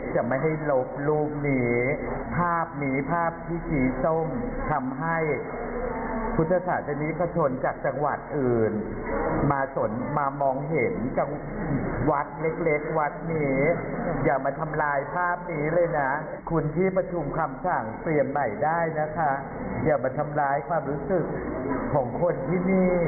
อย่ามาทำร้ายความรู้สึกของคนที่นี่